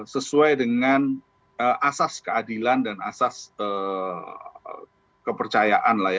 sesuai dengan asas keadilan dan asas kepercayaan